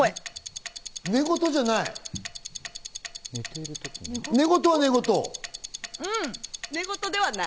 寝言じゃない？